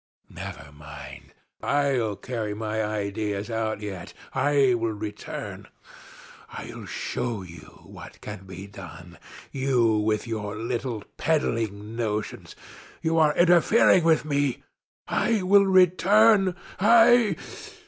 Never mind. I'll carry my ideas out yet I will return. I'll show you what can be done. You with your little peddling notions you are interfering with me. I will return. I